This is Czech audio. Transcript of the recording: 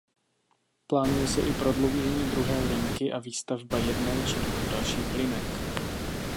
Plánuje se i prodloužení druhé linky a výstavba jedné či dvou dalších linek.